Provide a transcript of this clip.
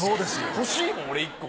欲しいもん俺１個。